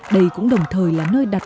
đây cũng đồng thời là nơi đặt